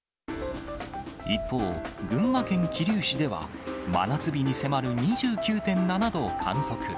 一方、群馬県桐生市では、真夏日に迫る２９．７度を観測。